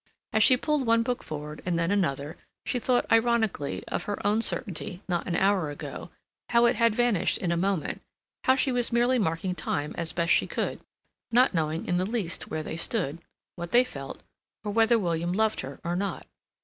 As she pulled one book forward and then another she thought ironically of her own certainty not an hour ago; how it had vanished in a moment, how she was merely marking time as best she could, not knowing in the least where they stood, what they felt, or whether William loved her or not.